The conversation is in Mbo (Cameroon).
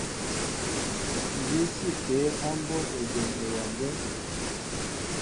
Nzi si peel á mbóʼ éjem ewándέ ?